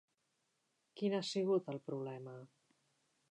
Quin ha sigut el problema?